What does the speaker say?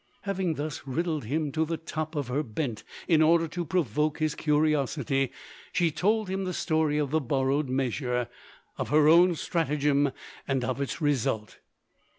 Having thus riddled him to the top of her bent in order to provoke his curiosity, she told him the story of the borrowed measure, of her own stratagem, and of its result.